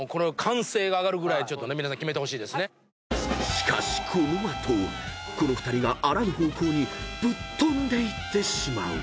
［しかしこの後この２人があらぬ方向にぶっ飛んでいってしまう］